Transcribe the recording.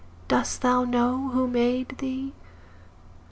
Dost thou know who made thee?